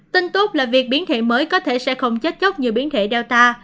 tin tốt là việc biến thể mới có thể sẽ không chết chóc như biến thể data